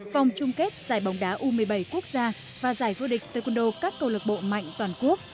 vòng chung kết giải bóng đá u một mươi bảy quốc gia và giải vô địch taekwondo các câu lạc bộ mạnh toàn quốc